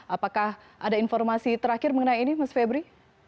apakah ada informasi terakhir mengenai ini mas febri